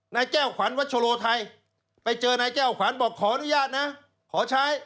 นายแก้วขวัญวัชโลไทยไปเจอนายแก้วขวัญบอกขออนุญาตนะขอใช้